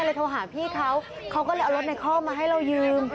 โทรหาพี่เขาเขาก็เลยเอารถในข้อมาให้เรายืม